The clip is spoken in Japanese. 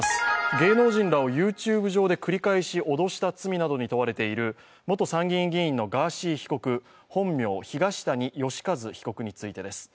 芸能人らをＹｏｕＴｕｂｅで脅迫などを繰り返した罪などが問われている元参議院議員のガーシー被告、本名・東谷義和被告についてです。